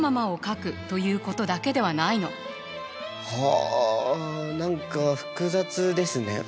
あ何か複雑ですね。